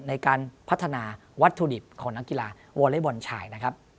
ในการพัฒนาวัตถุดิบของนักกีฬาวอเล็กบอลชายนะครับ